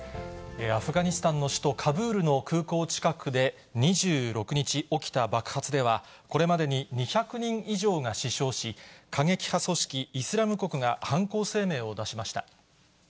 アフガニスタンの首都カブールの空港近くで、２６日起きた爆発では、これまでに２００人以上が死傷し、過激派組織イスラム国が犯行声明を出しました。